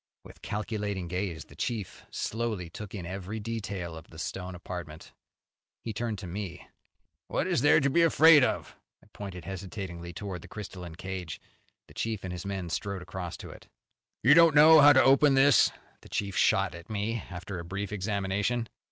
With calculating gaze the chief slowly took in every detail of the stone apartment. He turned to me. "What is there here to be afraid of?" I pointed hesitatingly towards the crystalline cage. The chief and his men strode across to it. "You don't know how to open this?" the chief shot at me after a brief examination.